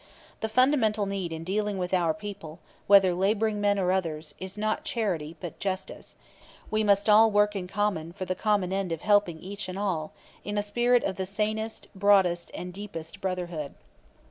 The fundamental need in dealing with our people, whether laboring men or others, is not charity but justice; we must all work in common for the common end of helping each and all, in a spirit of the sanest, broadest and deepest brotherhood.